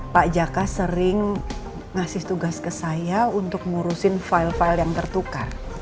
pak jaka sering ngasih tugas ke saya untuk ngurusin file file yang tertukar